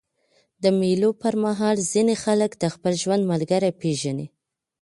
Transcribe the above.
د مېلو پر مهال ځيني خلک د خپل ژوند ملګری پېژني.